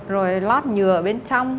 rồi lót nhừa ở bên trong